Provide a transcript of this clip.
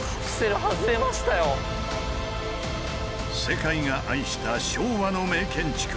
世界が愛した昭和の名建築。